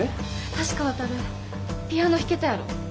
確か航ピアノ弾けたやろ。